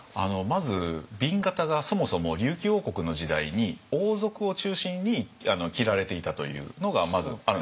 まず紅型がそもそも琉球王国の時代に王族を中心に着られていたというのがまずあるんです。